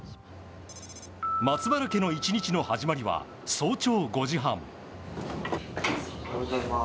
松原家の１日の始まりは早朝５時半。